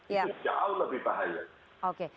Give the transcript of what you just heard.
itu jauh lebih bahaya